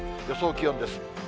予想気温です。